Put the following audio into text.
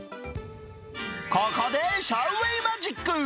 ここでシャウ・ウェイマジック。